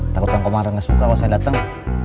takut kang komar gak suka kalau saya datang